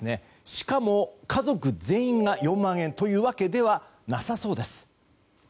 しかも家族全員が４万円というわけではなさそうです。